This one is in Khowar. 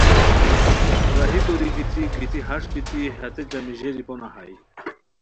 راہی کوری گیتی گیتی ہݰ بیتی ہتے جمیژیری پونہ ہائے